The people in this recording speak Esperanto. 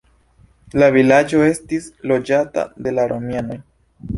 La vilaĝo estis loĝata de la romianoj.